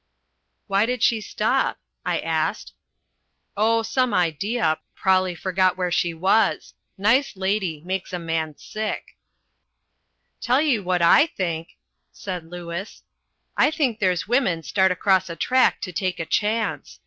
"Why did she stop?" I asked. "Oh, some idea. Prob'ly forgot where she was. Nice lady. Makes a man sick." "Tell ye what I think," said Lewis. "I think there's women start across a track to take a chance.